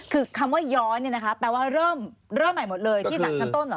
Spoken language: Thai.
คือคำว่าย้อนเนี่ยนะคะแปลว่าเริ่มใหม่หมดเลยที่สารชั้นต้นเหรอ